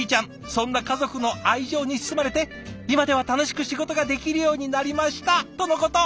そんな家族の愛情に包まれて「今では楽しく仕事ができるようになりました！」とのこと。